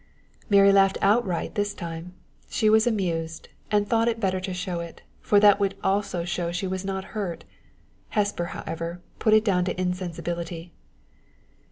Mary laughed outright this time: she was amused, and thought it better to show it, for that would show also she was not hurt. Hesper, however, put it down to insensibility.